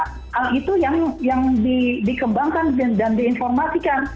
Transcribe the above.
hal itu yang dikembangkan dan diinformasikan